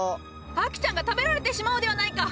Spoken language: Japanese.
アキちゃんが食べられてしまうではないか！